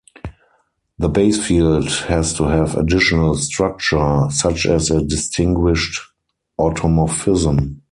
The basefield has to have additional structure, such as a distinguished automorphism.